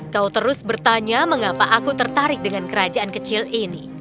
kau terus bertanya mengapa aku tertarik dengan kerajaan kecil ini